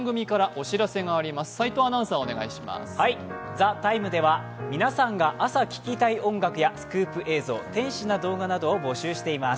「ＴＨＥＴＩＭＥ，」では皆さんが朝聴きたい音楽やスクープ映像、天使な動画などを募集しています。